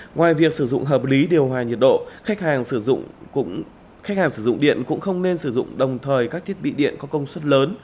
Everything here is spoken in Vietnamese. ngoài việc sử dụng hợp lý điều hòa nhiệt độ khách hàng sử dụng điện cũng không nên sử dụng đồng thời các thiết bị điện có công suất lớn